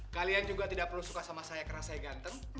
kalian juga tidak perlu suka sama saya karena saya ganteng